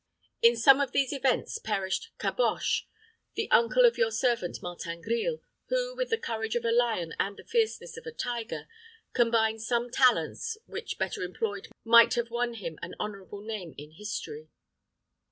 In some of these events perished Caboche, the uncle of your servant Martin Grille, who, with the courage of a lion and the fierceness of a tiger, combined some talents, which, better employed, might have won him an honorable name in history."